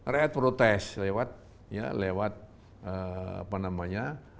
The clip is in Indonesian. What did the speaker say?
rakyat protes lewat ya lewat apa namanya